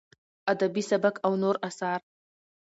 ادبي سبک او نور اثار: